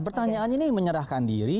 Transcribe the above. pertanyaan ini menyerahkan diri